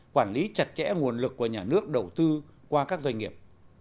quản lý chặt chẽ nguồn lực của nhà nước đầu tư qua các doanh nghiệp